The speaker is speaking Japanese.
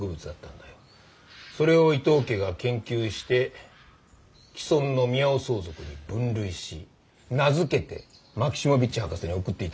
それを伊藤家が研究して既存のミヤオソウ属に分類し名付けてマキシモヴィッチ博士に送っていたんだ。